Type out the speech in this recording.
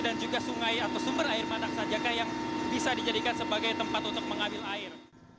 dan juga sungai atau sumber air mana saja kah yang bisa dijadikan sebagai tempat untuk mengambil air